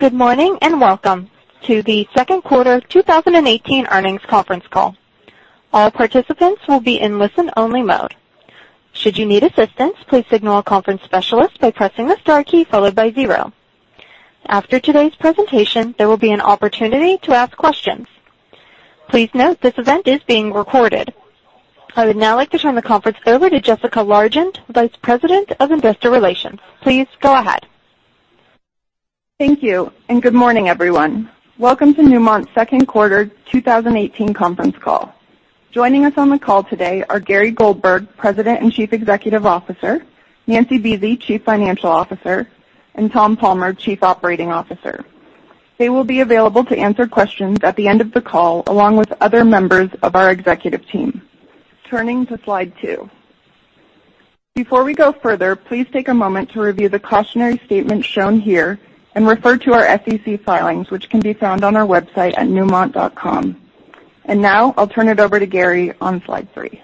Good morning, welcome to the second quarter 2018 earnings conference call. All participants will be in listen-only mode. Should you need assistance, please signal a conference specialist by pressing the star key followed by zero. After today's presentation, there will be an opportunity to ask questions. Please note this event is being recorded. I would now like to turn the conference over to Jessica Largent, Vice President of Investor Relations. Please go ahead. Thank you, good morning, everyone. Welcome to Newmont's second quarter 2018 conference call. Joining us on the call today are Gary Goldberg, President and Chief Executive Officer, Nancy Buese, Chief Financial Officer, and Tom Palmer, Chief Operating Officer. They will be available to answer questions at the end of the call, along with other members of our executive team. Turning to slide two. Before we go further, please take a moment to review the cautionary statement shown here and refer to our SEC filings, which can be found on our website at newmont.com. Now, I'll turn it over to Gary on slide three.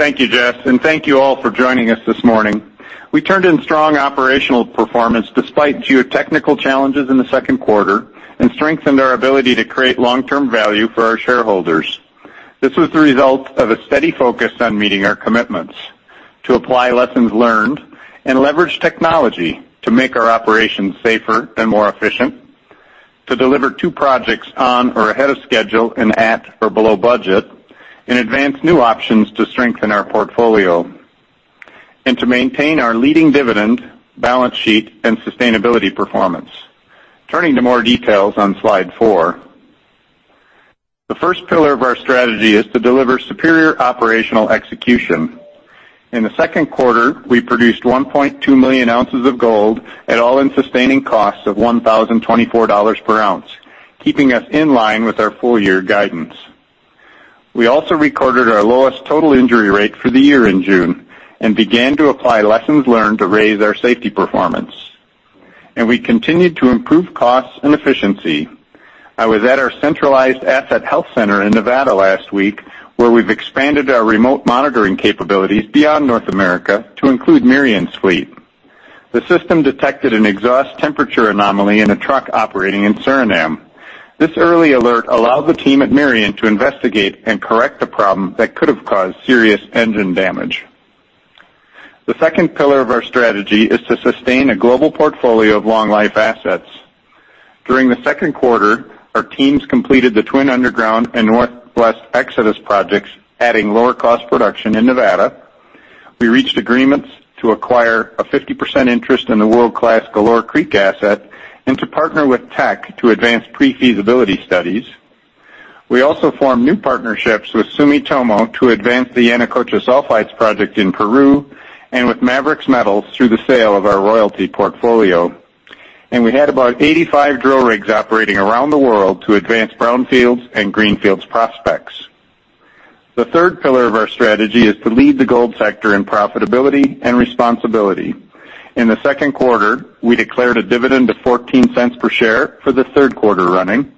Thank you, Jess, thank you all for joining us this morning. We turned in strong operational performance despite geotechnical challenges in the second quarter and strengthened our ability to create long-term value for our shareholders. This was the result of a steady focus on meeting our commitments, to apply lessons learned and leverage technology to make our operations safer and more efficient, to deliver two projects on or ahead of schedule and at or below budget, and advance new options to strengthen our portfolio, and to maintain our leading dividend, balance sheet, and sustainability performance. Turning to more details on slide four. The first pillar of our strategy is to deliver superior operational execution. In the second quarter, we produced 1.2 million ounces of gold at all-in sustaining costs of $1,024 per ounce, keeping us in line with our full-year guidance. We also recorded our lowest total injury rate for the year in June and began to apply lessons learned to raise our safety performance. We continued to improve costs and efficiency. I was at our centralized asset health center in Nevada last week, where we've expanded our remote monitoring capabilities beyond North America to include Merian's fleet. The system detected an exhaust temperature anomaly in a truck operating in Suriname. This early alert allowed the team at Merian to investigate and correct a problem that could have caused serious engine damage. The second pillar of our strategy is to sustain a global portfolio of long-life assets. During the second quarter, our teams completed the Twin Underground and Northwest Exodus projects, adding lower cost production in Nevada. We reached agreements to acquire a 50% interest in the world-class Galore Creek asset and to partner with Teck to advance pre-feasibility studies. We also formed new partnerships with Sumitomo to advance the Yanacocha Sulfides project in Peru and with Maverix Metals through the sale of our royalty portfolio. We had about 85 drill rigs operating around the world to advance brownfields and greenfields prospects. The third pillar of our strategy is to lead the gold sector in profitability and responsibility. In the second quarter, we declared a dividend of $0.14 per share for the third quarter running,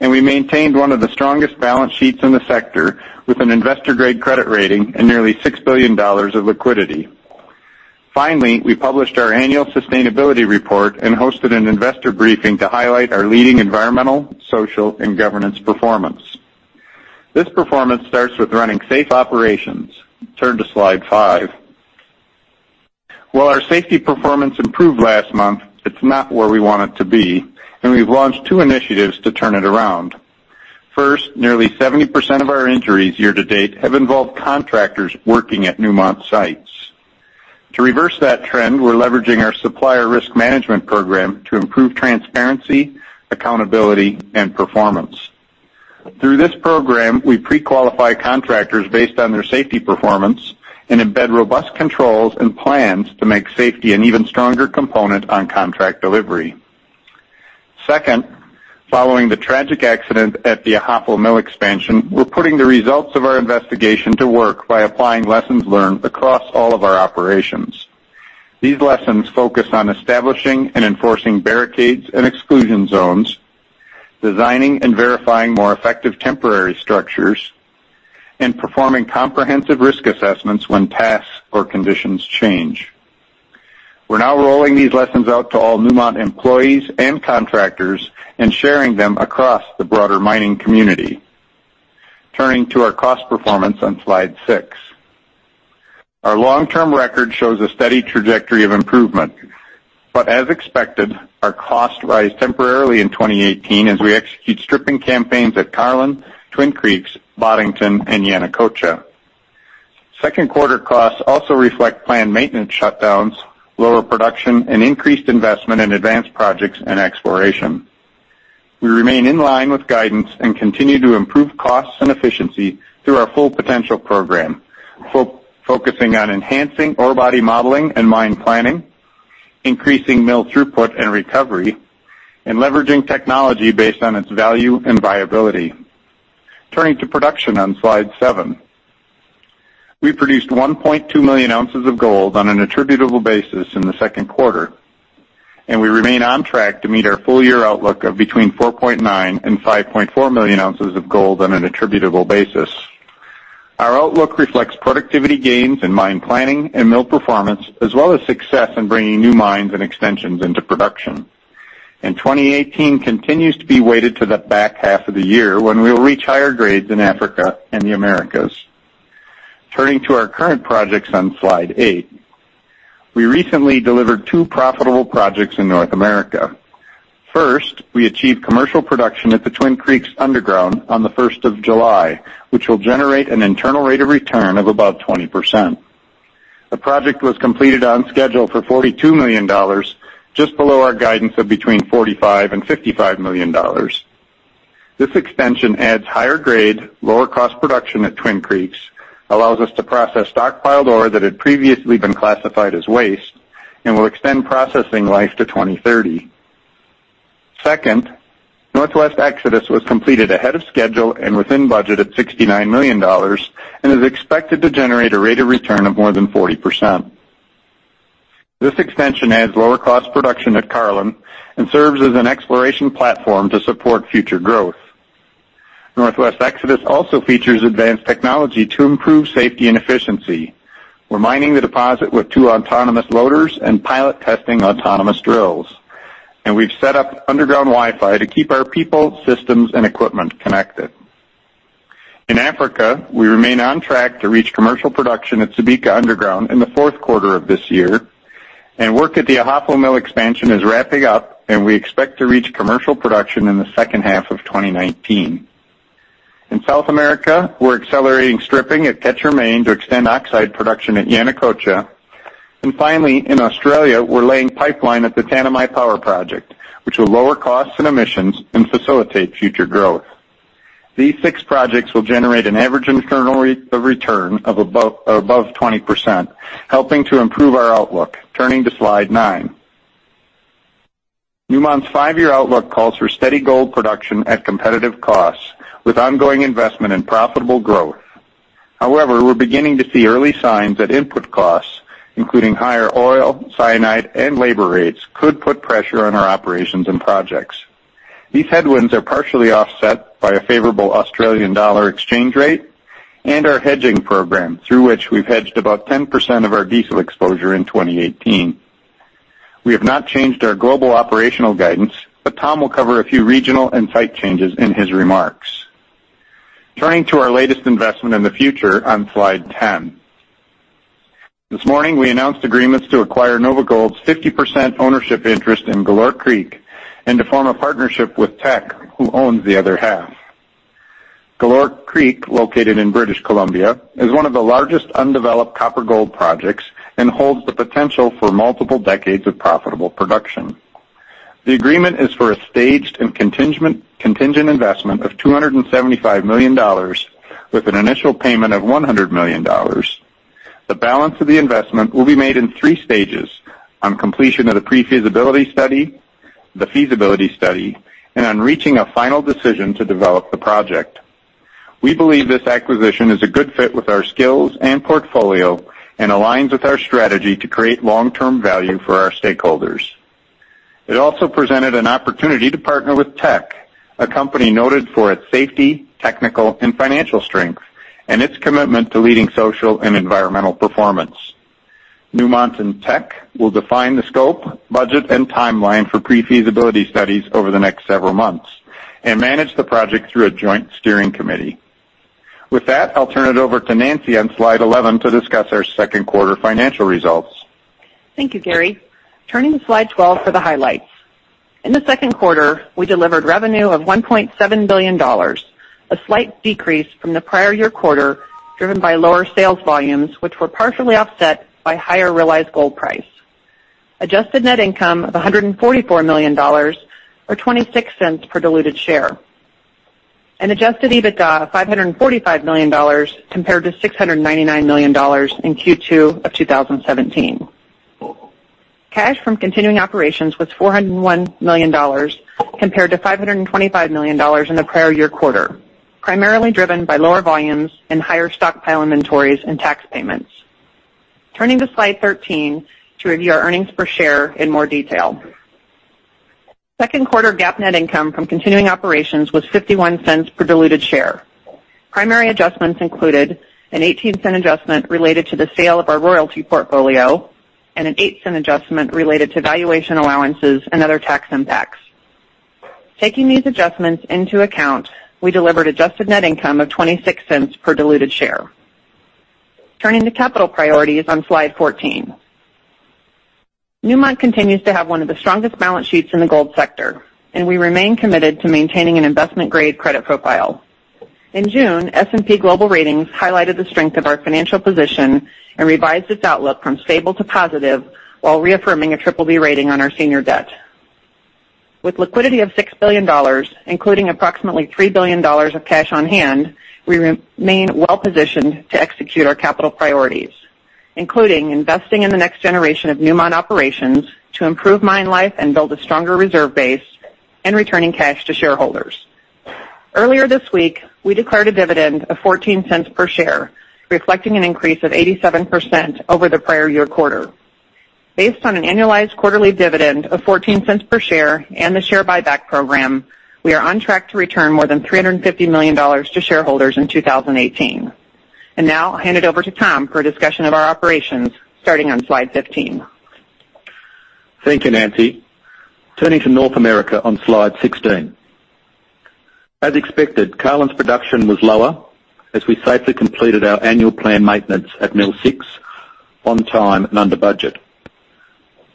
and we maintained one of the strongest balance sheets in the sector with an investment-grade credit rating and nearly $6 billion of liquidity. Finally, we published our annual sustainability report and hosted an investor briefing to highlight our leading environmental, social, and governance performance. This performance starts with running safe operations. Turn to slide five. While our safety performance improved last month, it's not where we want it to be, and we've launched two initiatives to turn it around. First, nearly 70% of our injuries year to date have involved contractors working at Newmont sites. To reverse that trend, we're leveraging our supplier risk management program to improve transparency, accountability, and performance. Through this program, we pre-qualify contractors based on their safety performance and embed robust controls and plans to make safety an even stronger component on contract delivery. Second, following the tragic accident at the Ahafo Mill Expansion, we're putting the results of our investigation to work by applying lessons learned across all of our operations. These lessons focus on establishing and enforcing barricades and exclusion zones, designing and verifying more effective temporary structures, and performing comprehensive risk assessments when tasks or conditions change. We're now rolling these lessons out to all Newmont employees and contractors and sharing them across the broader mining community. Turning to our cost performance on slide six. Our long-term record shows a steady trajectory of improvement. But as expected, our cost rise temporarily in 2018 as we execute stripping campaigns at Carlin, Twin Creeks, Boddington, and Yanacocha. Second quarter costs also reflect planned maintenance shutdowns, lower production, and increased investment in advanced projects and exploration. We remain in line with guidance and continue to improve costs and efficiency through our Full Potential program, focusing on enhancing ore body modeling and mine planning, increasing mill throughput and recovery, and leveraging technology based on its value and viability. Turning to production on slide seven. We produced 1.2 million ounces of gold on an attributable basis in the second quarter, and we remain on track to meet our full year outlook of between 4.9 million and 5.4 million ounces of gold on an attributable basis. Our outlook reflects productivity gains in mine planning and mill performance, as well as success in bringing new mines and extensions into production. And 2018 continues to be weighted to the back half of the year when we'll reach higher grades in Africa and the Americas. Turning to our current projects on slide eight. We recently delivered two profitable projects in North America. First, we achieved commercial production at the Twin Creeks Underground on the first of July, which will generate an internal rate of return of about 20%. The project was completed on schedule for $42 million, just below our guidance of between $45 million and $55 million. This extension adds higher grade, lower cost production at Twin Creeks, allows us to process stockpiled ore that had previously been classified as waste, and will extend processing life to 2030. Second, Northwest Exodus was completed ahead of schedule and within budget of $69 million and is expected to generate a rate of return of more than 40%. This extension adds lower cost production at Carlin and serves as an exploration platform to support future growth. Northwest Exodus also features advanced technology to improve safety and efficiency. We're mining the deposit with two autonomous loaders and pilot-testing autonomous drills, and we've set up underground Wi-Fi to keep our people, systems, and equipment connected. In Africa, we remain on track to reach commercial production at Subika Underground in the fourth quarter of this year. Work at the Ahafo Mill expansion is wrapping up, and we expect to reach commercial production in the second half of 2019. In South America, we're accelerating stripping at Quecher Main to extend oxide production at Yanacocha. Finally, in Australia, we're laying pipeline at the Tanami Power Project, which will lower costs and emissions and facilitate future growth. These six projects will generate an average internal rate of return of above 20%, helping to improve our outlook. Turning to slide nine. Newmont's five-year outlook calls for steady gold production at competitive costs with ongoing investment in profitable growth. However, we're beginning to see early signs that input costs, including higher oil, cyanide, and labor rates, could put pressure on our operations and projects. These headwinds are partially offset by a favorable Australian dollar exchange rate and our hedging program, through which we've hedged about 10% of our diesel exposure in 2018. Tom will cover a few regional and site changes in his remarks. Turning to our latest investment in the future on slide 10. This morning, we announced agreements to acquire NovaGold's 50% ownership interest in Galore Creek and to form a partnership with Teck, who owns the other half. Galore Creek, located in British Columbia, is one of the largest undeveloped copper gold projects and holds the potential for multiple decades of profitable production. The agreement is for a staged and contingent investment of $275 million with an initial payment of $100 million. The balance of the investment will be made in three stages on completion of the pre-feasibility study, the feasibility study, and on reaching a final decision to develop the project. We believe this acquisition is a good fit with our skills and portfolio and aligns with our strategy to create long-term value for our stakeholders. It also presented an opportunity to partner with Teck, a company noted for its safety, technical, and financial strength, and its commitment to leading social and environmental performance. Newmont and Teck will define the scope, budget, and timeline for pre-feasibility studies over the next several months and manage the project through a joint steering committee. With that, I'll turn it over to Nancy on slide 11 to discuss our second quarter financial results. Thank you, Gary. Turning to slide 12 for the highlights. In the second quarter, we delivered revenue of $1.7 billion, a slight decrease from the prior year quarter, driven by lower sales volumes, which were partially offset by higher realized gold price. Adjusted net income of $144 million, or $0.26 per diluted share, and adjusted EBITDA of $545 million compared to $699 million in Q2 of 2017. Cash from continuing operations was $401 million compared to $525 million in the prior year quarter, primarily driven by lower volumes and higher stockpile inventories and tax payments. Turning to slide 13 to review our earnings per share in more detail. Second quarter GAAP net income from continuing operations was $0.51 per diluted share. Primary adjustments included an $0.18 adjustment related to the sale of our royalty portfolio and an $0.08 adjustment related to valuation allowances and other tax impacts. Taking these adjustments into account, we delivered adjusted net income of $0.26 per diluted share. Turning to capital priorities on slide 14. Newmont continues to have one of the strongest balance sheets in the gold sector, and we remain committed to maintaining an investment-grade credit profile. In June, S&P Global Ratings highlighted the strength of our financial position and revised its outlook from stable to positive while reaffirming a BBB rating on our senior debt. With liquidity of $6 billion, including approximately $3 billion of cash on hand, we remain well positioned to execute our capital priorities, including investing in the next generation of Newmont operations to improve mine life and build a stronger reserve base and returning cash to shareholders. Earlier this week, we declared a dividend of $0.14 per share, reflecting an increase of 87% over the prior year quarter. Based on an annualized quarterly dividend of $0.14 per share and the share buyback program, we are on track to return more than $350 million to shareholders in 2018. Now I'll hand it over to Tom for a discussion of our operations, starting on slide 15. Thank you, Nancy. Turning to North America on slide 16. As expected, Carlin's production was lower as we safely completed our annual planned maintenance at Mill Six on time and under budget.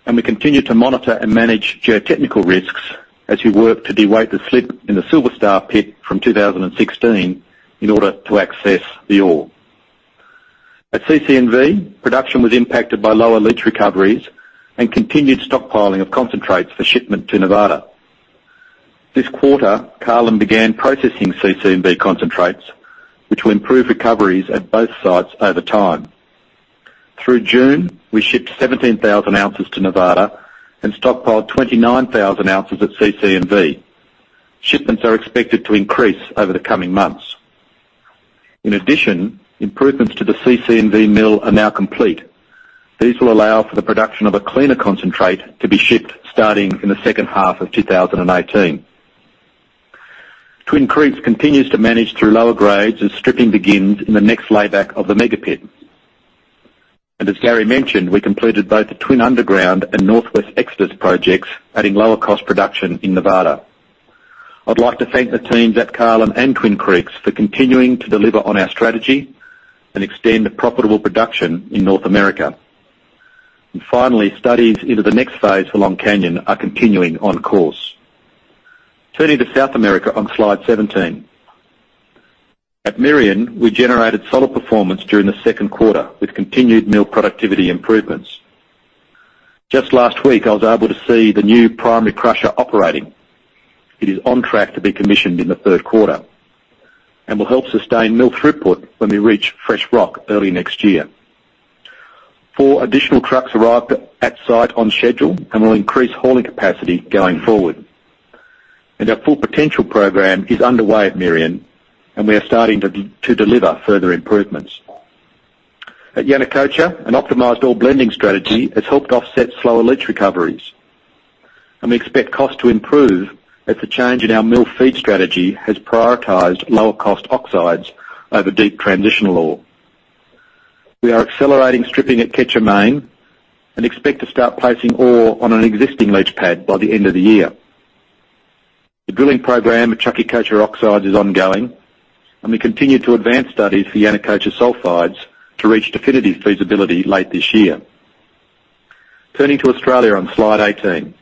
We continue to monitor and manage geotechnical risks as we work to de-weight the slip in the Silver Star pit from 2016 in order to access the ore. At CC&V, production was impacted by lower leach recoveries and continued stockpiling of concentrates for shipment to Nevada. This quarter, Carlin began processing CC&V concentrates, which will improve recoveries at both sites over time. Through June, we shipped 17,000 ounces to Nevada and stockpiled 29,000 ounces at CC&V. Shipments are expected to increase over the coming months. In addition, improvements to the CC&V mill are now complete. These will allow for the production of a cleaner concentrate to be shipped starting in the second half of 2018. Twin Creeks continues to manage through lower grades as stripping begins in the next layback of the mega pit. As Gary mentioned, we completed both the Twin Underground and Northwest Exodus projects, adding lower cost production in Nevada. I'd like to thank the teams at Carlin and Twin Creeks for continuing to deliver on our strategy and extend profitable production in North America. Finally, studies into the next phase for Long Canyon are continuing on course. Turning to South America on slide 17. At Merian, we generated solid performance during the second quarter with continued mill productivity improvements. Just last week, I was able to see the new primary crusher operating. It is on track to be commissioned in the third quarter and will help sustain mill throughput when we reach fresh rock early next year. Four additional trucks arrived at site on schedule and will increase hauling capacity going forward. Our Full Potential program is underway at Merian, and we are starting to deliver further improvements. At Yanacocha, an optimized ore blending strategy has helped offset slower leach recoveries. We expect cost to improve as the change in our mill feed strategy has prioritized lower cost oxides over deep transitional ore. We are accelerating stripping at Quecher Main and expect to start placing ore on an existing leach pad by the end of the year. The drilling program at Chaquicocha oxides is ongoing, and we continue to advance studies for Yanacocha Sulfides to reach definitive feasibility late this year. Turning to Australia on slide 18.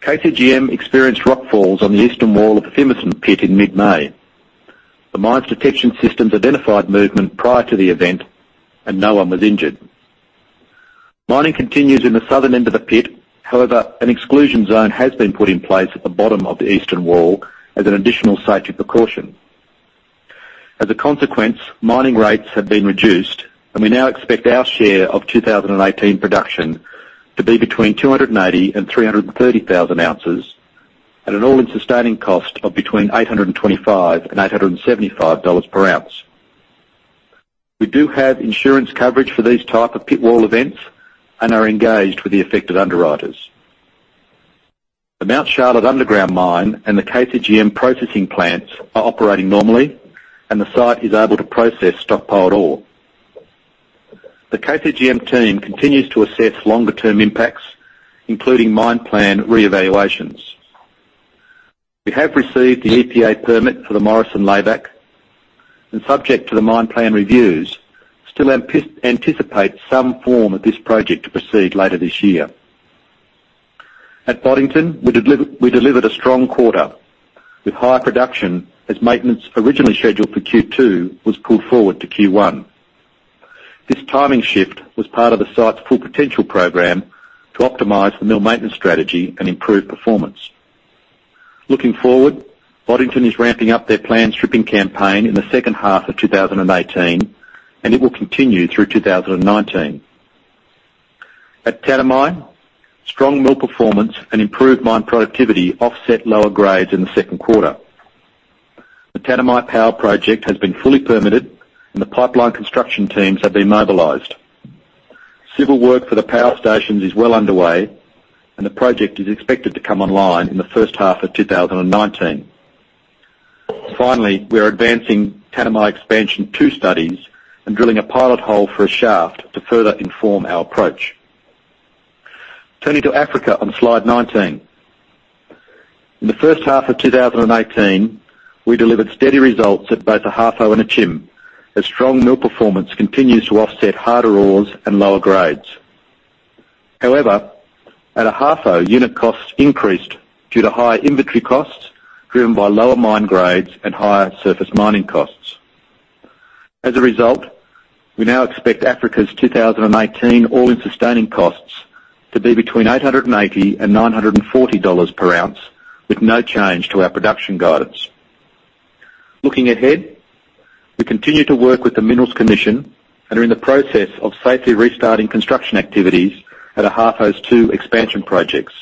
KCGM experienced rockfalls on the eastern wall of the Fimiston pit in mid-May. The mine's detection systems identified movement prior to the event, and no one was injured. Mining continues in the southern end of the pit. However, an exclusion zone has been put in place at the bottom of the eastern wall as an additional safety precaution. As a consequence, mining rates have been reduced, and we now expect our share of 2018 production to be between 280,000-330,000 ounces at an all-in sustaining cost of between $825-$875 per ounce. We do have insurance coverage for these type of pit wall events and are engaged with the affected underwriters. The Mount Charlotte underground mine and the KCGM processing plants are operating normally, and the site is able to process stockpiled ore. The KCGM team continues to assess longer term impacts, including mine plan reevaluations. We have received the EPA permit for the Morrison layback, and subject to the mine plan reviews, still anticipate some form of this project to proceed later this year. At Boddington, we delivered a strong quarter with high production as maintenance originally scheduled for Q2 was pulled forward to Q1. This timing shift was part of the site's Full Potential program to optimize the mill maintenance strategy and improve performance. Looking forward, Boddington is ramping up their planned stripping campaign in the second half of 2018, and it will continue through 2019. At Tanami, strong mill performance and improved mine productivity offset lower grades in the second quarter. The Tanami Power project has been fully permitted and the pipeline construction teams have been mobilized. Civil work for the power stations is well underway, and the project is expected to come online in the first half of 2019. Finally, we are advancing Tanami Expansion 2 studies and drilling a pilot hole for a shaft to further inform our approach. Turning to Africa on slide 19. In the first half of 2018, we delivered steady results at both Ahafo and Akyem, as strong mill performance continues to offset harder ores and lower grades. At Ahafo, unit costs increased due to higher inventory costs driven by lower mine grades and higher surface mining costs. As a result, we now expect Africa's 2018 all-in sustaining costs to be between $880 and $940 per ounce with no change to our production guidance. Looking ahead, we continue to work with the Minerals Commission and are in the process of safely restarting construction activities at Ahafo's two expansion projects.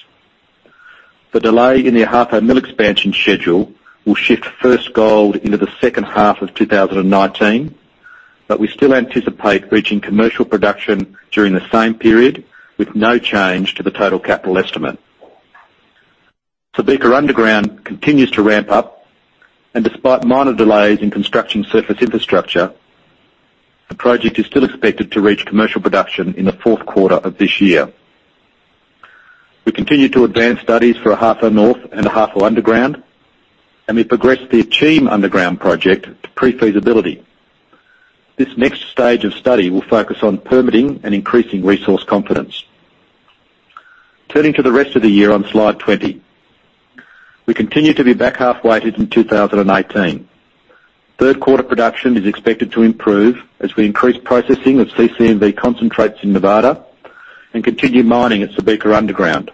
The delay in the Ahafo Mill expansion schedule will shift first gold into the second half of 2019, but we still anticipate reaching commercial production during the same period, with no change to the total capital estimate. Subika Underground continues to ramp up, and despite minor delays in construction surface infrastructure, the project is still expected to reach commercial production in the fourth quarter of this year. We continue to advance studies for Ahafo North and Ahafo Underground, and we progressed the Akyem Underground project to pre-feasibility. This next stage of study will focus on permitting and increasing resource confidence. Turning to the rest of the year on slide 20. We continue to be back half weighted in 2018. Third quarter production is expected to improve as we increase processing of CC&V concentrates in Nevada and continue mining at Subika Underground.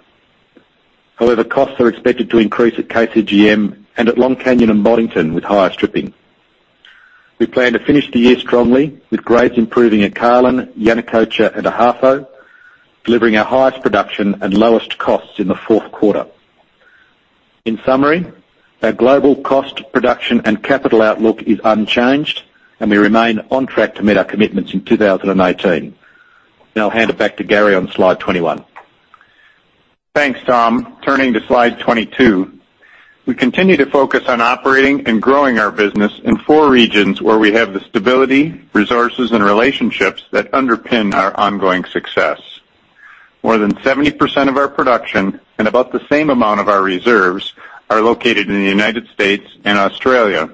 Costs are expected to increase at KCGM and at Long Canyon and Boddington with higher stripping. We plan to finish the year strongly with grades improving at Carlin, Yanacocha, and Ahafo, delivering our highest production and lowest costs in the fourth quarter. In summary, our global cost production and capital outlook is unchanged, and we remain on track to meet our commitments in 2018. Now I'll hand it back to Gary on slide 21. Thanks, Tom. Turning to slide 22. We continue to focus on operating and growing our business in four regions where we have the stability, resources, and relationships that underpin our ongoing success. More than 70% of our production, and about the same amount of our reserves, are located in the U.S. and Australia.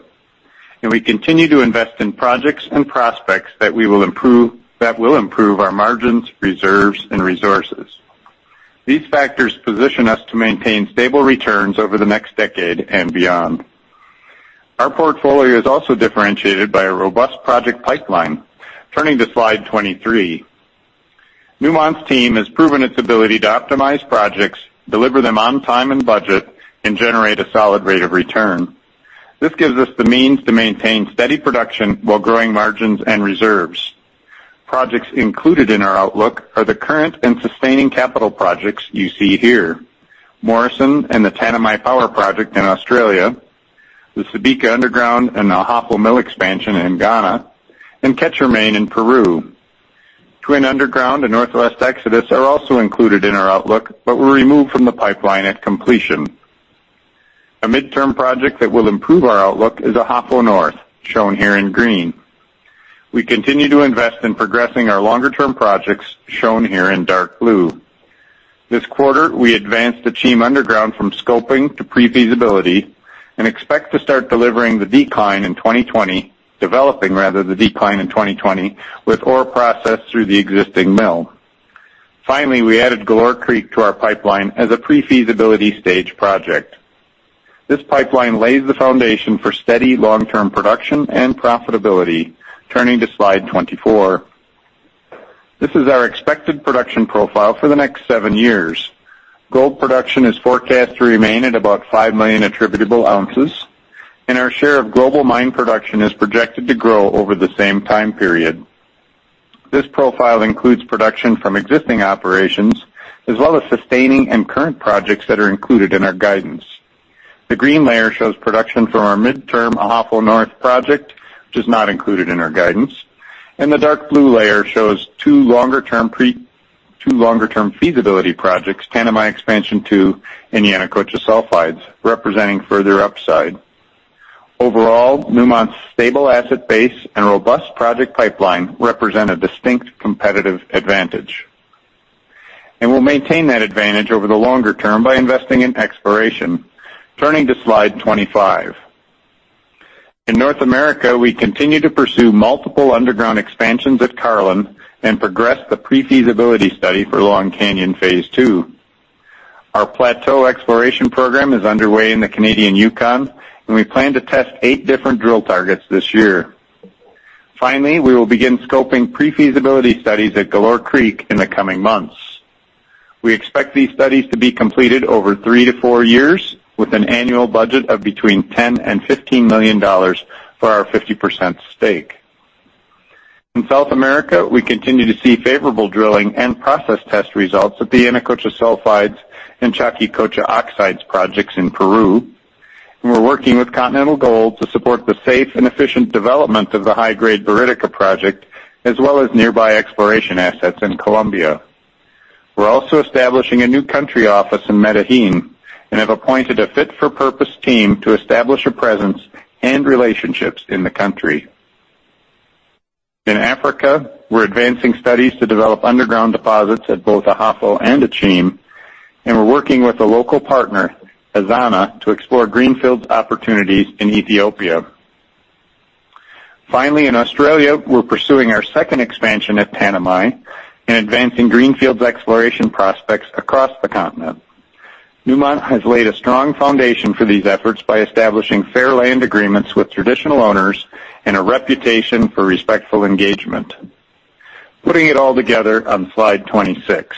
We continue to invest in projects and prospects that will improve our margins, reserves, and resources. These factors position us to maintain stable returns over the next decade and beyond. Our portfolio is also differentiated by a robust project pipeline. Turning to slide 23. Newmont's team has proven its ability to optimize projects, deliver them on time and budget, and generate a solid rate of return. This gives us the means to maintain steady production while growing margins and reserves. Projects included in our outlook are the current and sustaining capital projects you see here. Morrison and the Tanami Power Project in Australia, the Subika Underground, and the Ahafo Mill Expansion in Ghana, and Quecher Main in Peru. Twin Underground and Northwest Exodus are also included in our outlook, but were removed from the pipeline at completion. A midterm project that will improve our outlook is Ahafo North, shown here in green. We continue to invest in progressing our longer-term projects, shown here in dark blue. This quarter, we advanced Akyem underground from scoping to pre-feasibility and expect to start delivering the decline in 2020, developing rather the decline in 2020, with ore processed through the existing mill. Finally, we added Galore Creek to our pipeline as a pre-feasibility stage project. This pipeline lays the foundation for steady long-term production and profitability. Turning to slide 24. This is our expected production profile for the next seven years. Gold production is forecast to remain at about five million attributable ounces, our share of global mine production is projected to grow over the same time period. This profile includes production from existing operations, as well as sustaining and current projects that are included in our guidance. The green layer shows production from our midterm Ahafo North project, which is not included in our guidance. The dark blue layer shows two longer term feasibility projects, Tanami Expansion 2 and Yanacocha Sulfides, representing further upside. Overall, Newmont's stable asset base and robust project pipeline represent a distinct competitive advantage. We'll maintain that advantage over the longer term by investing in exploration. Turning to slide 25. In North America, we continue to pursue multiple underground expansions at Carlin and progress the pre-feasibility study for Long Canyon Phase 2. Our Plateau Exploration Program is underway in the Canadian Yukon, we plan to test eight different drill targets this year. Finally, we will begin scoping pre-feasibility studies at Galore Creek in the coming months. We expect these studies to be completed over three to four years with an annual budget of between $10 million and $15 million for our 50% stake. In South America, we continue to see favorable drilling and process test results at the Yanacocha Sulfides and Chaquicocha Oxides Projects in Peru. We're working with Continental Gold to support the safe and efficient development of the high-grade Buriticá project, as well as nearby exploration assets in Colombia. We're also establishing a new country office in Medellín and have appointed a fit-for-purpose team to establish a presence and relationships in the country. In Africa, we're advancing studies to develop underground deposits at both Ahafo and Akyem, we're working with a local partner, Ezana, to explore greenfields opportunities in Ethiopia. Finally, in Australia, we're pursuing our second expansion at Tanami and advancing greenfields exploration prospects across the continent. Newmont has laid a strong foundation for these efforts by establishing fair land agreements with traditional owners and a reputation for respectful engagement. Putting it all together on slide 26.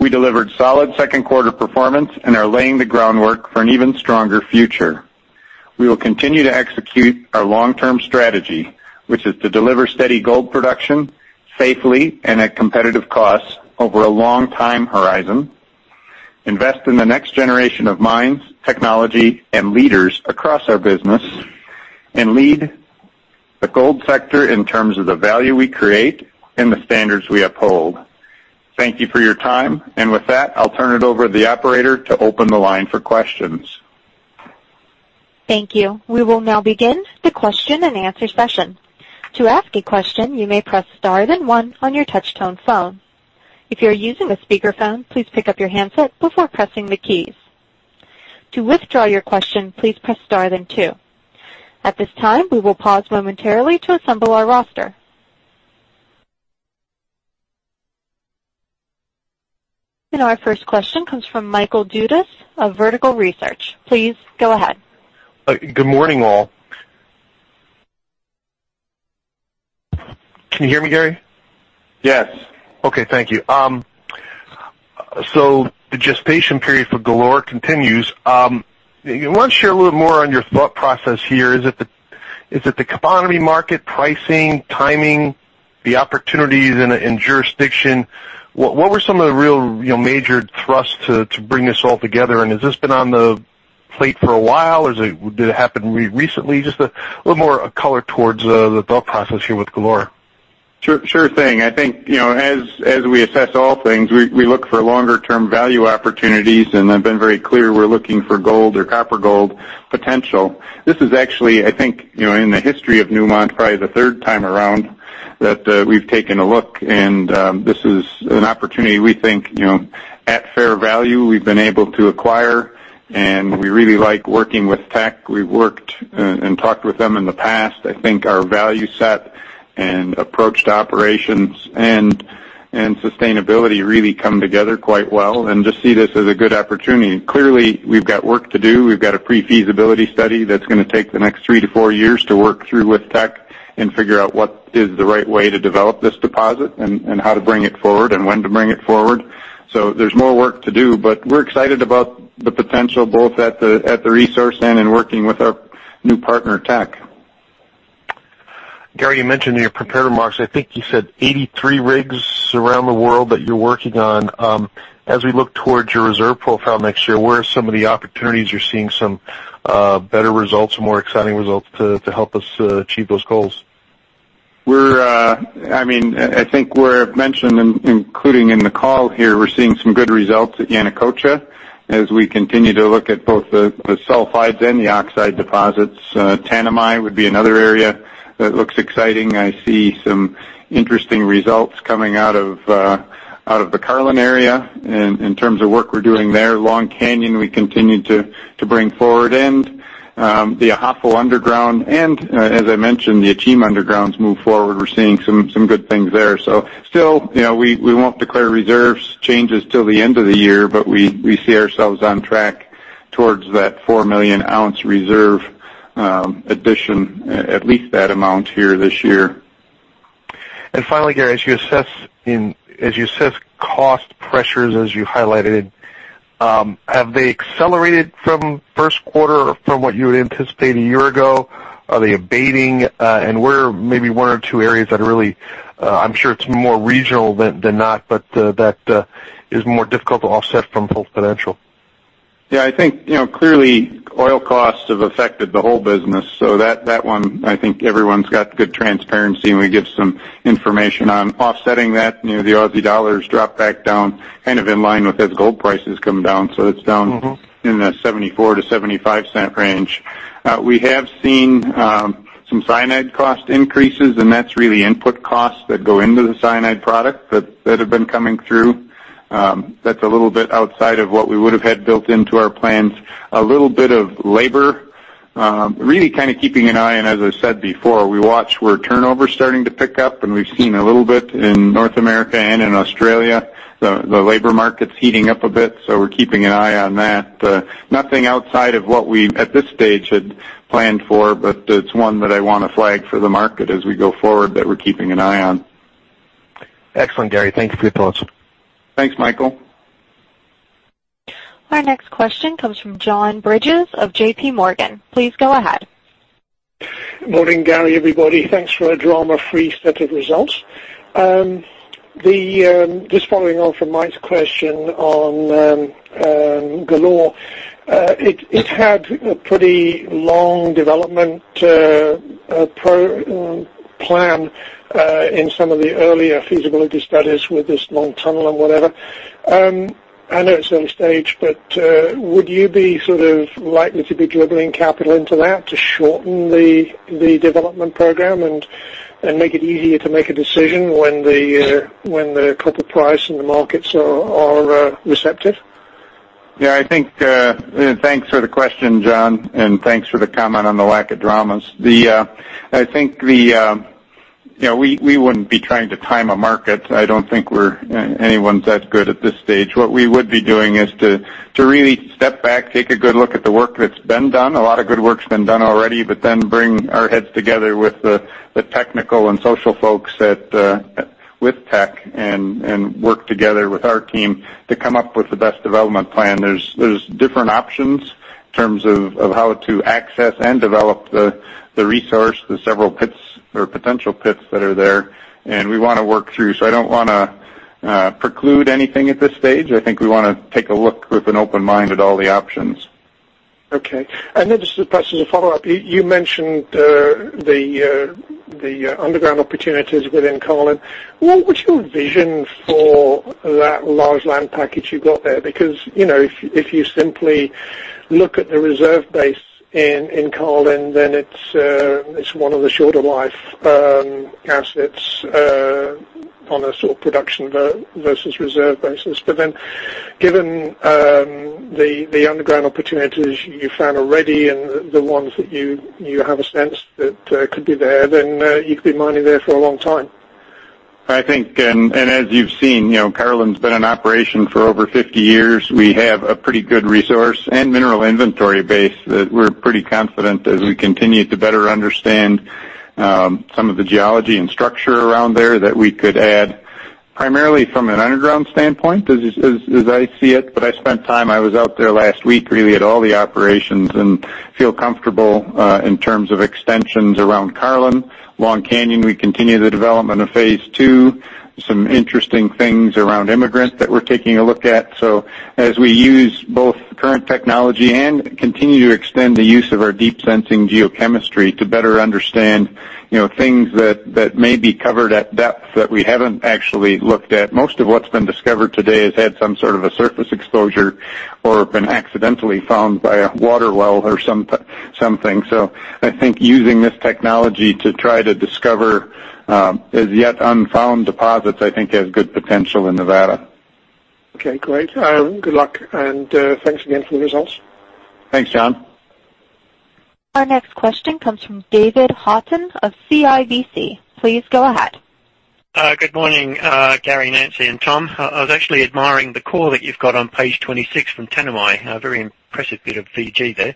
We delivered solid second quarter performance and are laying the groundwork for an even stronger future. We will continue to execute our long-term strategy, which is to deliver steady gold production safely and at competitive costs over a long time horizon, invest in the next generation of mines, technology, and leaders across our business, lead the gold sector in terms of the value we create and the standards we uphold. Thank you for your time. With that, I'll turn it over to the operator to open the line for questions. Thank you. We will now begin the question and answer session. To ask a question, you may press star then one on your touch tone phone. If you're using a speakerphone, please pick up your handset before pressing the keys. To withdraw your question, please press star then two. At this time, we will pause momentarily to assemble our roster. Our first question comes from Michael Dudas of Vertical Research. Please go ahead. Good morning, all. Can you hear me, Gary? Yes. Okay. Thank you. The gestation period for Galore continues. You want to share a little more on your thought process here? Is it the commodity market pricing, timing, the opportunities in jurisdiction? What were some of the real major thrusts to bring this all together? Has this been on the plate for a while, or did it happen recently? Just a little more color towards the thought process here with Galore. Sure thing. I think, as we assess all things, we look for longer term value opportunities, and I've been very clear, we're looking for gold or copper gold potential. This is actually, I think, in the history of Newmont, probably the third time around that we've taken a look, and this is an opportunity we think, at fair value, we've been able to acquire, and we really like working with Teck. We've worked and talked with them in the past. I think our value set and approach to operations and sustainability really come together quite well and just see this as a good opportunity. Clearly, we've got work to do. We've got a pre-feasibility study that's going to take the next three to four years to work through with Teck and figure out what is the right way to develop this deposit and how to bring it forward and when to bring it forward. There's more work to do, but we're excited about the potential, both at the resource and in working with our new partner, Teck. Gary, you mentioned in your prepared remarks, I think you said 83 rigs around the world that you're working on. As we look towards your reserve profile next year, where are some of the opportunities you're seeing some better results, more exciting results to help us achieve those goals? I think we're mentioned, including in the call here, we're seeing some good results at Yanacocha as we continue to look at both the sulfides and the oxide deposits. Tanami would be another area that looks exciting. I see some interesting results coming out of the Carlin area in terms of work we're doing there. Long Canyon, we continue to bring forward and the Ahafo underground and, as I mentioned, the Akyem underground's moved forward. We're seeing some good things there. Still, we won't declare reserves changes till the end of the year, but we see ourselves on track towards that four million ounce reserve addition, at least that amount here this year. Finally, Gary, as you assess cost pressures as you highlighted, have they accelerated from first quarter from what you had anticipated a year ago? Are they abating? Where maybe one or two areas that are really, I'm sure it's more regional than not, but that is more difficult to offset from Full Potential? I think, clearly oil costs have affected the whole business. That one, I think everyone's got good transparency, and we give some information on offsetting that. The Aussie dollar's dropped back down, kind of in line with as gold prices come down, so it's down in the 0.74-0.75 range. We have seen some cyanide cost increases, and that's really input costs that go into the cyanide product that have been coming through. That's a little bit outside of what we would have had built into our plans. A little bit of labor, really kind of keeping an eye on, as I said before, we watch where turnover's starting to pick up, and we've seen a little bit in North America and in Australia. The labor market's heating up a bit, so we're keeping an eye on that. Nothing outside of what we, at this stage, had planned for, but it's one that I want to flag for the market as we go forward that we're keeping an eye on. Excellent, Gary. Thank you for your thoughts. Thanks, Michael. Our next question comes from John Bridges of JPMorgan. Please go ahead. Morning, Gary, everybody. Thanks for a drama-free set of results. Just following on from Michael's question on Galore. It had a pretty long development plan, in some of the earlier feasibility studies with this long tunnel and whatever. I know it's early stage, but would you be sort of likely to be dribbling capital into that to shorten the development program and make it easier to make a decision when the copper price and the markets are receptive? Yeah, I think, thanks for the question, John, and thanks for the comment on the lack of dramas. I think we wouldn't be trying to time a market. I don't think anyone's that good at this stage. What we would be doing is to really step back, take a good look at the work that's been done. A lot of good work's been done, but then bring our heads together with the technical and social folks with Teck and work together with our team to come up with the best development plan. There's different options in terms of how to access and develop the resource, the several pits or potential pits that are there, and we want to work through. I don't want to preclude anything at this stage. I think we want to take a look with an open mind at all the options. Okay. Just a question as a follow-up. You mentioned the underground opportunities within Carlin. What's your vision for that large land package you got there? If you simply look at the reserve base in Carlin, it's one of the shorter life assets on a sort of production versus reserve basis. Given the underground opportunities you found already and the ones that you have a sense that could be there, you could be mining there for a long time. I think, as you've seen, Carlin's been in operation for over 50 years. We have a pretty good resource and mineral inventory base that we're pretty confident as we continue to better understand some of the geology and structure around there that we could add primarily from an underground standpoint as I see it, but I spent time, I was out there last week, really at all the operations and feel comfortable in terms of extensions around Carlin. Long Canyon, we continue the development of phase 2, some interesting things around Emigrant that we're taking a look at. As we use both current technology and continue to extend the use of our deep sensing geochemistry to better understand things that may be covered at depth that we haven't actually looked at. Most of what's been discovered today has had some sort of a surface exposure or been accidentally found by a water well or something. I think using this technology to try to discover as yet unfound deposits, I think has good potential in Nevada. Okay, great. Good luck and thanks again for the results. Thanks, John. Our next question comes from David Haughton of CIBC. Please go ahead. Good morning, Gary, Nancy, and Tom. I was actually admiring the core that you've got on page 26 from Tanami. A very impressive bit of VG there.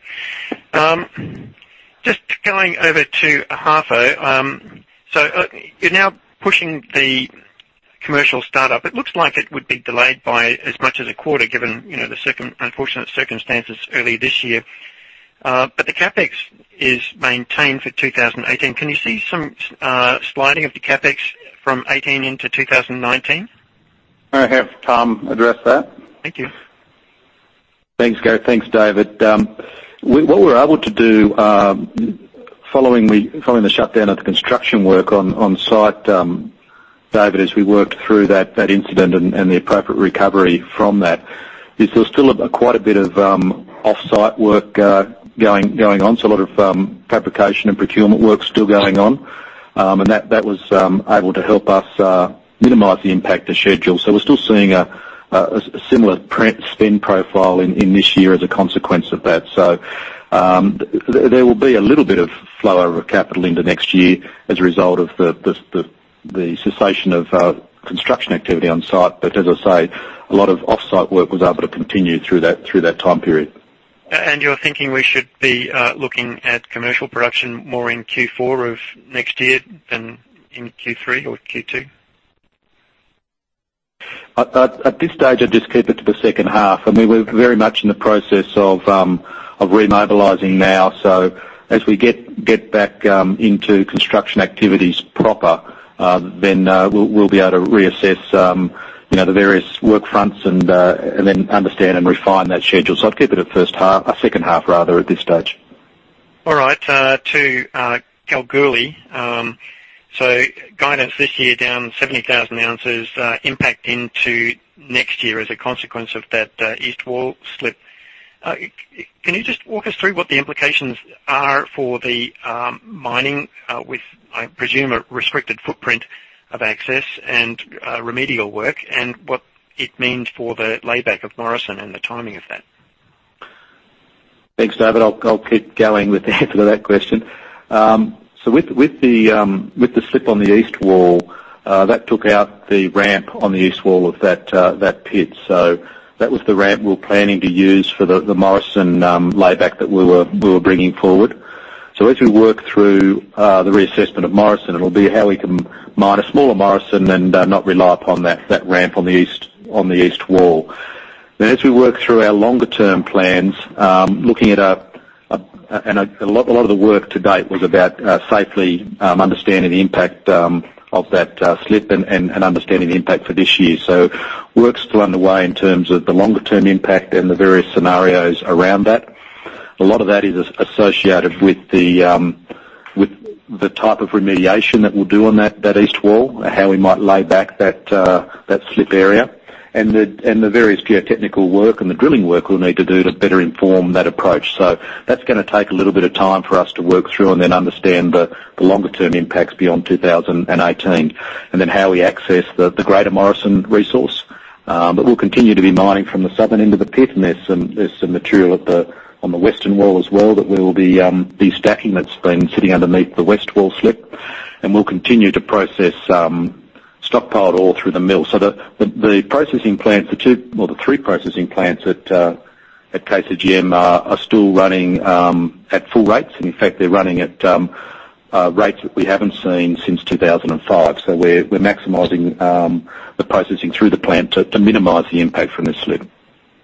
Just going over to Ahafo. You're now pushing the commercial startup. It looks like it would be delayed by as much as a quarter, given the unfortunate circumstances early this year. The CapEx is maintained for 2018. Can you see some sliding of the CapEx from 2018 into 2019? I'll have Tom address that. Thank you. Thanks, Gary. Thanks, David. What we're able to do following the shutdown of the construction work on site, David, as we worked through that incident and the appropriate recovery from that is there's still quite a bit of offsite work going on. A lot of fabrication and procurement work still going on. That was able to help us minimize the impact to schedule. We're still seeing a similar spend profile in this year as a consequence of that. There will be a little bit of flow over capital into next year as a result of the cessation of construction activity on site. As I say, a lot of offsite work was able to continue through that time period. You're thinking we should be looking at commercial production more in Q4 of next year than in Q3 or Q2? At this stage, I'd just keep it to the second half. We're very much in the process of remobilizing now. As we get back into construction activities proper, then we'll be able to reassess the various work fronts and then understand and refine that schedule. I'd keep it at first half, second half rather, at this stage. All right. To Kalgoorlie. Guidance this year down 70,000 ounces impact into next year as a consequence of that east wall slip. Can you just walk us through what the implications are for the mining with, I presume, a restricted footprint of access and remedial work and what it means for the layback of Morrison and the timing of that? Thanks, David. I'll keep going with the answer to that question. With the slip on the east wall, that took out the ramp on the east wall of that pit. That was the ramp we were planning to use for the Morrison layback that we were bringing forward. As we work through the reassessment of Morrison, it'll be how we can mine a smaller Morrison and not rely upon that ramp on the east wall. As we work through our longer term plans, looking at a lot of the work to date was about safely understanding the impact of that slip and understanding the impact for this year. Work's still underway in terms of the longer term impact and the various scenarios around that. A lot of that is associated with the type of remediation that we'll do on that east wall, how we might lay back that slip area, and the various geotechnical work and the drilling work we'll need to do to better inform that approach. That's going to take a little bit of time for us to work through and then understand the longer term impacts beyond 2018, and then how we access the greater Morrison resource. We'll continue to be mining from the southern end of the pit, and there's some material on the western wall as well that we will be stacking that's been sitting underneath the west wall slip, and we'll continue to process stockpiled ore through the mill. The processing plants, the two, well, the three processing plants at KCGM are still running at full rates. In fact, they're running at rates that we haven't seen since 2005. We're maximizing the processing through the plant to minimize the impact from the slip.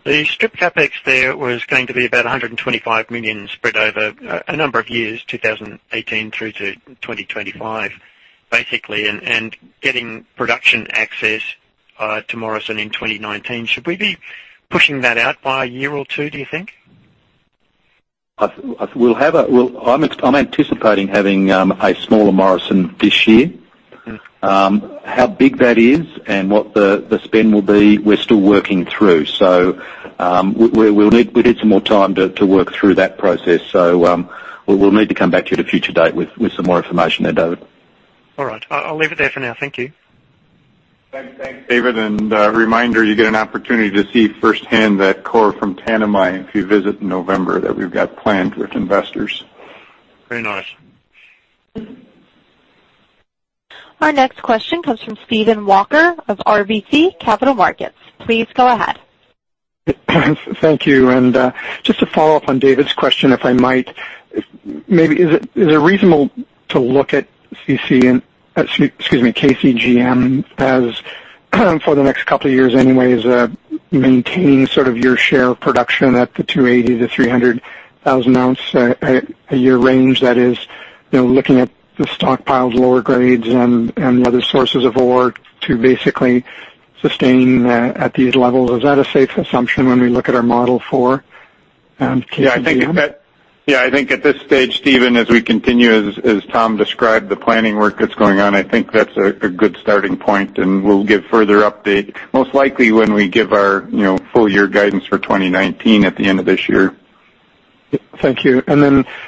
The strip CapEx there was going to be about $125 million spread over a number of years, 2018 through to 2025, basically, and getting production access to Morrison in 2019. Should we be pushing that out by a year or two, do you think? I'm anticipating having a smaller Morrison this year. How big that is and what the spend will be, we're still working through. We need some more time to work through that process. We'll need to come back to you at a future date with some more information there, David. All right. I'll leave it there for now. Thank you. Thanks, David. A reminder, you get an opportunity to see firsthand that core from Tanami if you visit in November that we've got planned with investors. Very nice. Our next question comes from Stephen Walker of RBC Capital Markets. Please go ahead. Thank you. Just to follow up on David's question, if I might. Maybe is it reasonable to look at CC&V and Excuse me, KCGM as, for the next couple of years anyways, maintain sort of your share of production at the 280,000-300,000 ounce a year range. That is, looking at the stockpiled lower grades and other sources of ore to basically sustain at these levels. Is that a safe assumption when we look at our model for KCGM? I think at this stage, Stephen, as we continue, as Tom described, the planning work that's going on, I think that's a good starting point. We'll give further update, most likely when we give our full-year guidance for 2019 at the end of this year. Thank you.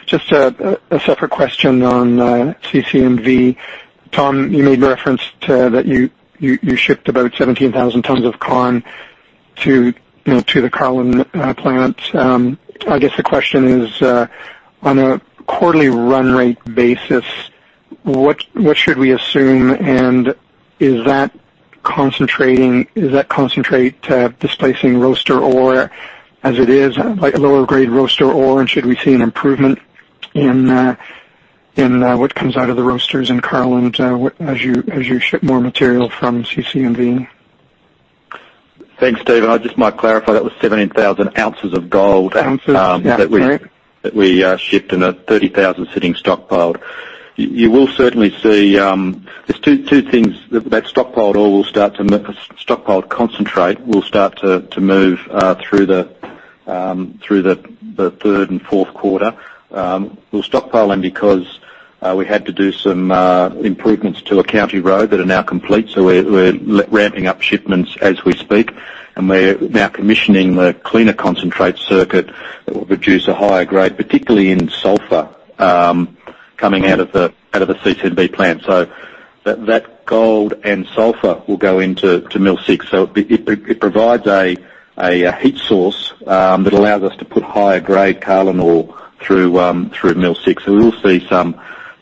Just a separate question on CC&V. Tom, you made reference to that you shipped about 17,000 tons of con to the Carlin plant. I guess the question is, on a quarterly run rate basis, what should we assume? Is that concentrate displacing roaster ore as it is, like a lower grade roaster ore? Should we see an improvement in what comes out of the roasters in Carlin as you ship more material from CC&V? Thanks, Stephen. I just might clarify, that was 17,000 ounces of gold. Ounces. Yeah, correct. that we shipped and 30,000 sitting stockpiled. You will certainly see, there's two things. That stockpiled concentrate will start to move through the third and fourth quarter. We're stockpiling because we had to do some improvements to a county road that are now complete, we're ramping up shipments as we speak. We're now commissioning the cleaner concentrate circuit that will produce a higher grade, particularly in sulfur, coming out of the CC&V plant. That gold and sulfur will go into mill 6. It provides a heat source that allows us to put higher grade Carlin ore through mill 6. We'll see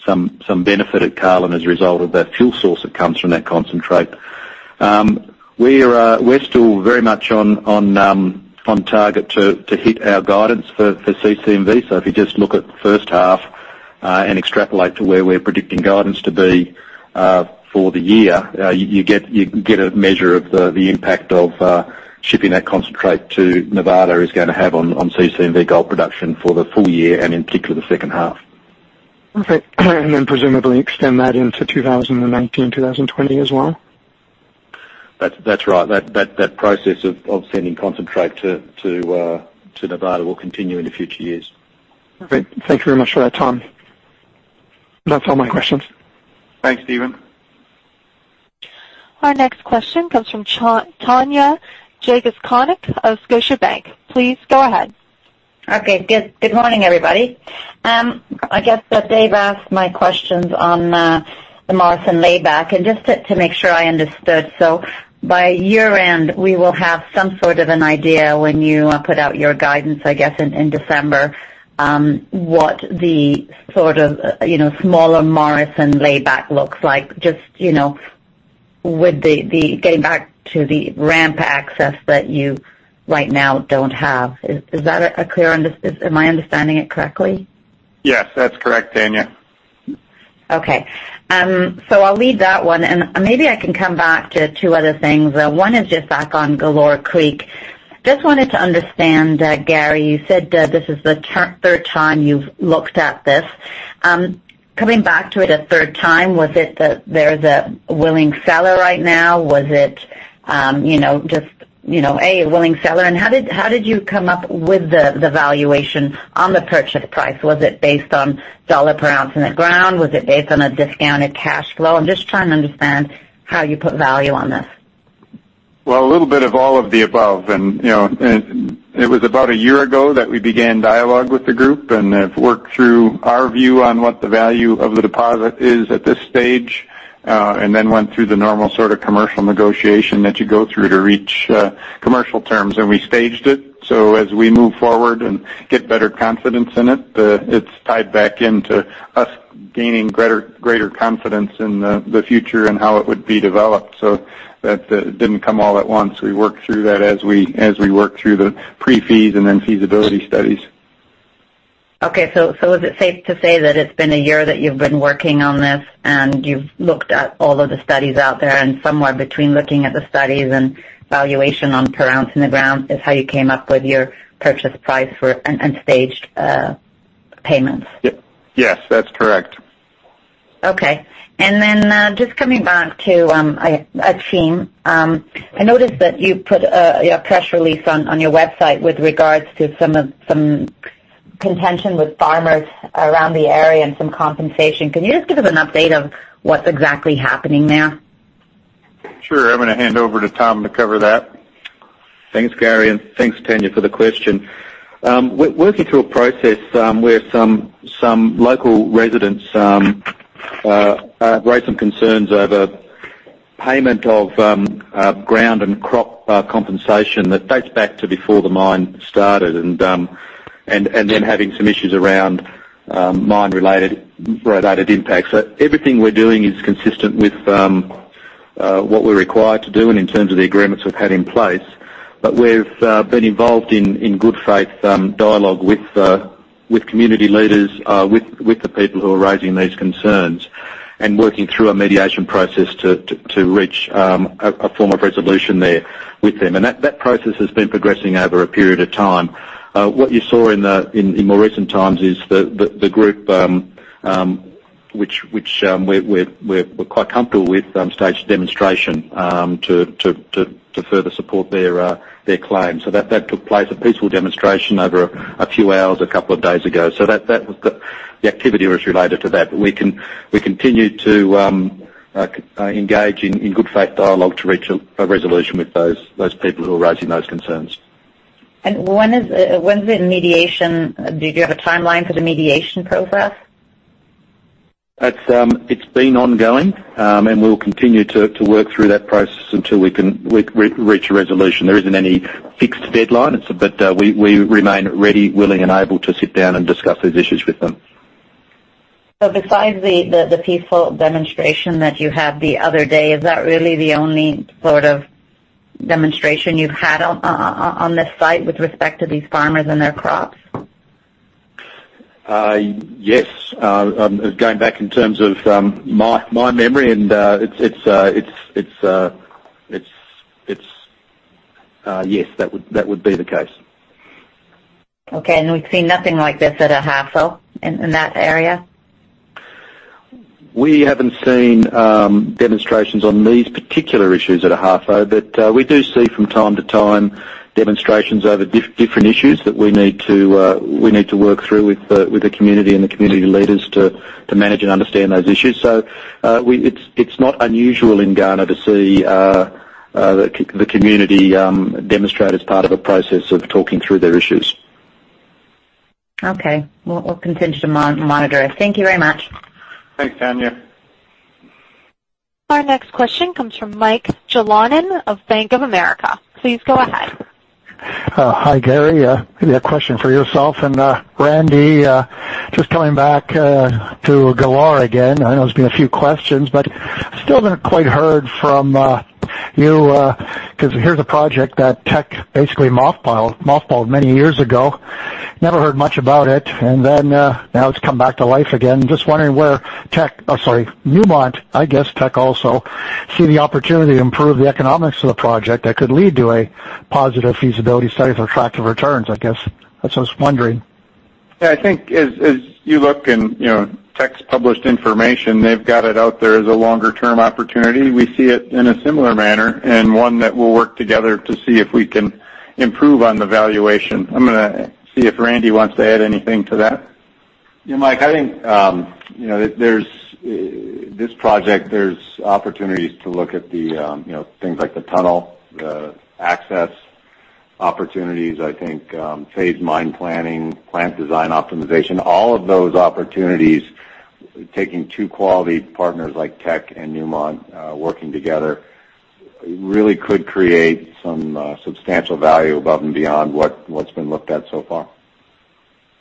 some benefit at Carlin as a result of that fuel source that comes from that concentrate. We're still very much on target to hit our guidance for CC&V. If you just look at the first half, and extrapolate to where we're predicting guidance to be, for the year, you can get a measure of the impact of shipping that concentrate to Nevada is gonna have on CC&V gold production for the full year and in particular, the second half. Perfect. Presumably extend that into 2019, 2020 as well? That's right. That process of sending concentrate to Nevada will continue into future years. Perfect. Thank you very much for that, Tom. That's all my questions. Thanks, Stephen. Our next question comes from Tanya Jakusconek of Scotiabank. Please go ahead. Okay. Good morning, everybody. I guess that Dave asked my questions on the Morrison layback and just to make sure I understood. By year-end, we will have some sort of an idea when you put out your guidance, I guess, in December, what the sort of smaller Morrison layback looks like. Just getting back to the ramp access that you right now don't have. Am I understanding it correctly? Yes, that's correct, Tanya. Okay. I'll leave that one, and maybe I can come back to two other things. One is just back on Galore Creek. Just wanted to understand, Gary, you said that this is the third time you've looked at this. Coming back to it a third time, was it that there's a willing seller right now? A willing seller, and how did you come up with the valuation on the purchase price? Was it based on $ per ounce in the ground? Was it based on a discounted cash flow? I'm just trying to understand how you put value on this. Well, a little bit of all of the above. It was about 1 year ago that we began dialogue with the group and have worked through our view on what the value of the deposit is at this stage, then went through the normal sort of commercial negotiation that you go through to reach commercial terms. We staged it, so as we move forward and get better confidence in it's tied back into us gaining greater confidence in the future and how it would be developed. That didn't come all at once. We worked through that as we worked through the pre-feas and then feasibility studies. Okay. Is it safe to say that it's been a year that you've been working on this, and you've looked at all of the studies out there, and somewhere between looking at the studies and valuation on pounds in the ground is how you came up with your purchase price and staged payments? Yes, that's correct. Okay. Then, just coming back to Akyem. I noticed that you put your press release on your website with regards to some contention with farmers around the area and some compensation. Can you just give us an update of what's exactly happening there? Sure. I'm going to hand over to Tom to cover that. Thanks, Gary, and thanks, Tanya, for the question. We're working through a process where some local residents raised some concerns over payment of ground and crop compensation that dates back to before the mine started, and then having some issues around mine-related impacts. Everything we're doing is consistent with what we're required to do and in terms of the agreements we've had in place. We've been involved in good faith dialogue with community leaders, with the people who are raising these concerns, and working through a mediation process to reach a form of resolution there with them. That process has been progressing over a period of time. What you saw in more recent times is the group, which we're quite comfortable with, staged a demonstration to further support their claims. That took place, a peaceful demonstration over a few hours, a couple of days ago. The activity was related to that. We continue to engage in good faith dialogue to reach a resolution with those people who are raising those concerns. When is it in mediation? Do you have a timeline for the mediation progress? It's been ongoing, and we'll continue to work through that process until we can reach a resolution. There isn't any fixed deadline, but we remain ready, willing, and able to sit down and discuss those issues with them. Besides the peaceful demonstration that you had the other day, is that really the only sort of demonstration you've had on this site with respect to these farmers and their crops? Yes. Going back in terms of my memory, yes, that would be the case. Okay. We've seen nothing like this at Ahafo, in that area? We haven't seen demonstrations on these particular issues at Ahafo, but we do see, from time to time, demonstrations over different issues that we need to work through with the community and the community leaders to manage and understand those issues. It's not unusual in Ghana to see the community demonstrate as part of a process of talking through their issues. Okay. We'll continue to monitor it. Thank you very much. Thanks, Tanya. Our next question comes from Michael Jalonen of Bank of America. Please go ahead. Hi, Gary. Maybe a question for yourself and Randy. Just coming back to Galore Creek again. I know there's been a few questions, but still haven't quite heard from you, because here's a project that Teck basically mothballed many years ago. Never heard much about it, and then now it's come back to life again. Just wondering where Newmont, I guess Teck also, see the opportunity to improve the economics of the project that could lead to a positive feasibility study for attractive returns, I guess. That's what I was wondering. Yeah, I think as you look in Teck's published information, they've got it out there as a longer-term opportunity. We see it in a similar manner, and one that we'll work together to see if we can improve on the valuation. I'm going to see if Randy wants to add anything to that. Yeah, Mike, I think this project, there's opportunities to look at things like the tunnel, the access opportunities, I think phase mine planning, plant design optimization. All of those opportunities, taking two quality partners like Teck and Newmont working together, really could create some substantial value above and beyond what's been looked at so far.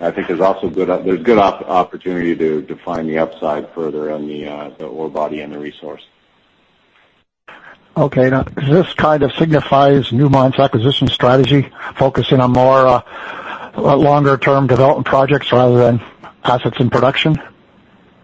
I think there's good opportunity to find the upside further in the ore body and the resource. Okay. Does this kind of signifies Newmont's acquisition strategy, focusing on more longer-term development projects rather than assets in production?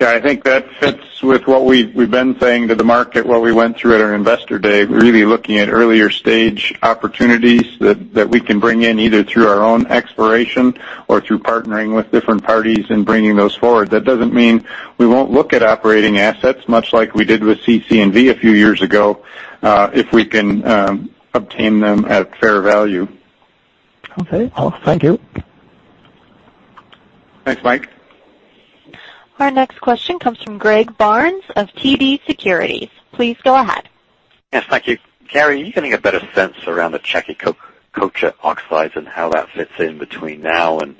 Yeah, I think that fits with what we've been saying to the market, what we went through at our investor day, really looking at earlier stage opportunities that we can bring in, either through our own exploration or through partnering with different parties and bringing those forward. That doesn't mean we won't look at operating assets, much like we did with CC&V a few years ago, if we can obtain them at fair value. Okay. Thank you. Thanks, Mike. Our next question comes from Greg Barnes of TD Securities. Please go ahead. Yes, thank you. Gary, are you getting a better sense around the Chaquicocha oxides and how that fits in between now and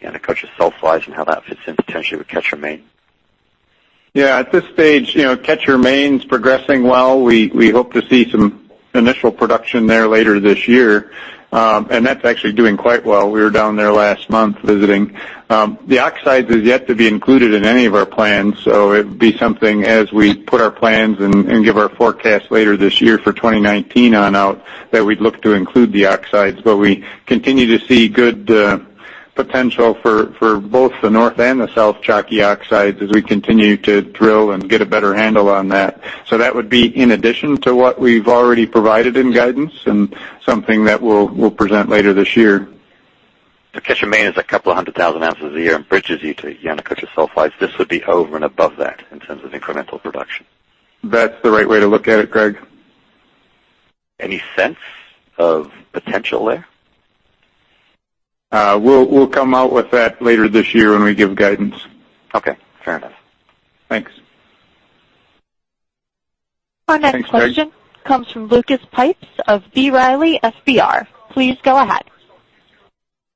the Yanacocha sulfides and how that fits in potentially with Quecher Main? Yeah, at this stage, Quecher Main's progressing well. We hope to see some initial production there later this year. That's actually doing quite well. We were down there last month visiting. The oxides is yet to be included in any of our plans. It would be something as we put our plans and give our forecast later this year for 2019 on out, that we'd look to include the oxides. We continue to see good potential for both the north and the south Chaqui oxides as we continue to drill and get a better handle on that. That would be in addition to what we've already provided in guidance and something that we'll present later this year. Quecher Main is a couple of 100,000 ounces a year and bridges you to Yanacocha sulfides. This would be over and above that in terms of incremental production? That's the right way to look at it, Greg. Any sense of potential there? We'll come out with that later this year when we give guidance. Okay, fair enough. Thanks. Our next question comes from Lucas Pipes of B. Riley FBR. Please go ahead.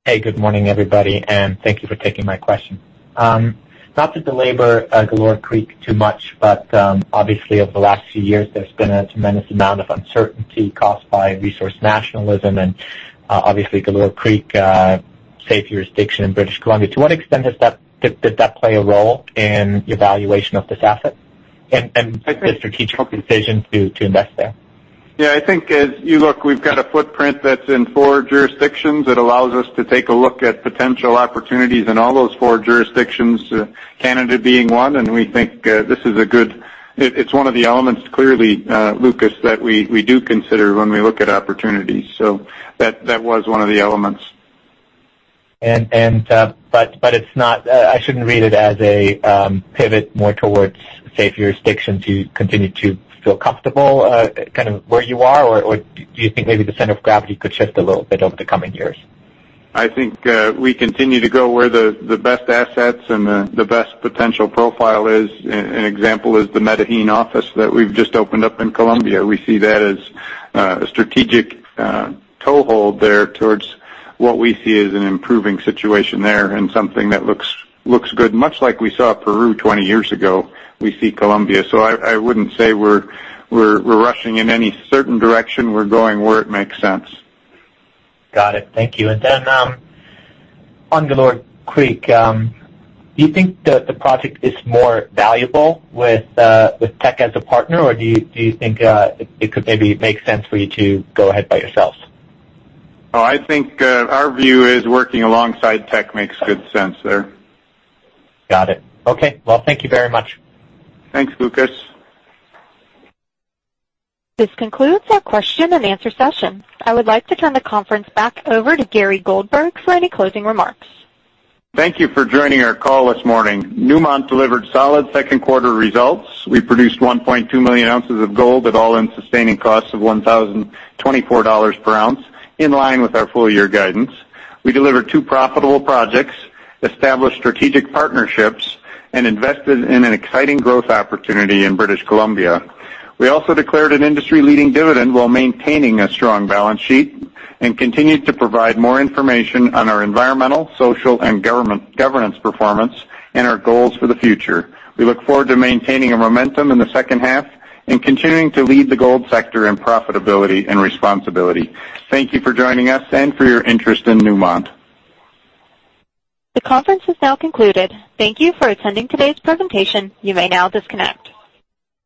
Hey, good morning, everybody, and thank you for taking my question. Not to belabor Galore Creek too much, but obviously over the last few years, there's been a tremendous amount of uncertainty caused by resource nationalism and obviously Galore Creek safe jurisdiction in British Columbia. To what extent did that play a role in your valuation of this asset and the strategic decision to invest there? Yeah, I think as you look, we've got a footprint that's in four jurisdictions that allows us to take a look at potential opportunities in all those four jurisdictions, Canada being one. It's one of the elements, clearly, Lucas, that we do consider when we look at opportunities. That was one of the elements. I shouldn't read it as a pivot more towards safe jurisdictions. You continue to feel comfortable where you are, or do you think maybe the center of gravity could shift a little bit over the coming years? I think we continue to go where the best assets and the best potential profile is. An example is the Medellín office that we've just opened up in Colombia. We see that as a strategic toehold there towards what we see as an improving situation there and something that looks good. Much like we saw Peru 20 years ago, we see Colombia. I wouldn't say we're rushing in any certain direction. We're going where it makes sense. Got it. Thank you. On Galore Creek, do you think that the project is more valuable with Teck as a partner, or do you think it could maybe make sense for you to go ahead by yourselves? I think our view is working alongside Teck makes good sense there. Got it. Okay. Well, thank you very much. Thanks, Lucas. This concludes our question and answer session. I would like to turn the conference back over to Gary Goldberg for any closing remarks. Thank you for joining our call this morning. Newmont delivered solid second quarter results. We produced 1.2 million ounces of gold at all-in sustaining costs of $1,024 per ounce, in line with our full year guidance. We delivered two profitable projects, established strategic partnerships, and invested in an exciting growth opportunity in British Columbia. We also declared an industry-leading dividend while maintaining a strong balance sheet and continued to provide more information on our environmental, social, and governance performance and our goals for the future. We look forward to maintaining a momentum in the second half and continuing to lead the gold sector in profitability and responsibility. Thank you for joining us and for your interest in Newmont. The conference is now concluded. Thank you for attending today's presentation. You may now disconnect.